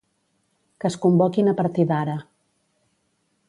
Que es convoquin a partir d'ara.